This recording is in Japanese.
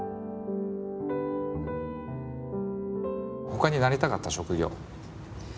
ほかになりたかった職業。